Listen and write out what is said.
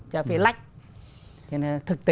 thế là thực tế